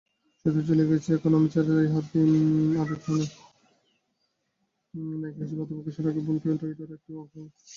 নায়িকা হিসেবে আত্মপ্রকাশের আগে বোনকে টুইটারে একটি আবেগপ্রবণ পোস্ট লিখেছেন অর্জুন কাপুর।